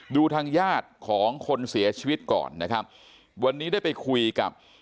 ดูทางญาติของคนเสียชีวิตก่อนนะครับวันนี้ได้ไปคุยกับ